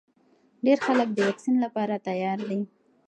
ډېر خلک د واکسین لپاره تیار دي.